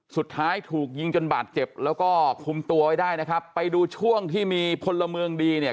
สุดท้ายถูกยิงจนบาดเจ็บแล้วก็คุมตัวไว้ได้นะครับไปดูช่วงที่มีพลเมืองดีเนี่ย